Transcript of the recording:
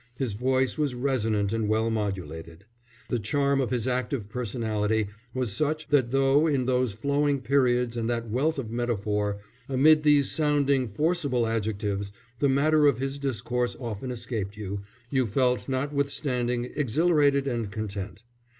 His voice was resonant and well modulated. The charm of his active personality was such that though, in those flowing periods and that wealth of metaphor, amid these sounding, forcible adjectives, the matter of his discourse often escaped you, you felt notwithstanding exhilarated and content.